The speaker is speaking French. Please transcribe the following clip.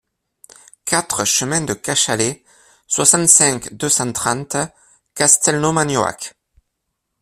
quatre chemin de Cachalet, soixante-cinq, deux cent trente, Castelnau-Magnoac